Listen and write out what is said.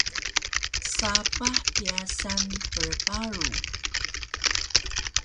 sapah pyasan prparu